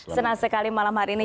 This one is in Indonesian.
senang sekali malam hari ini